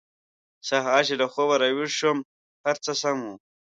سهار چې له خوبه راویښ شوم هر څه سم وو